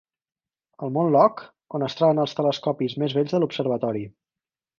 El mont Locke, on es troben els telescopis més vells de l'observatori.